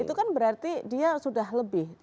itu kan berarti dia sudah lebih